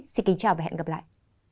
xin kính chào và hẹn gặp lại